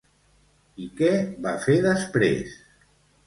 I què va fer després?